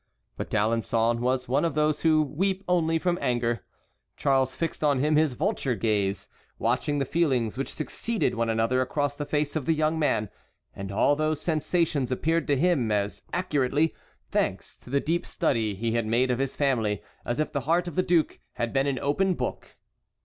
But D'Alençon was one of those who weep only from anger. Charles fixed on him his vulture gaze, watching the feelings which succeeded one another across the face of the young man, and all those sensations appeared to him as accurately, thanks to the deep study he had made of his family as if the heart of the duke had been an open book.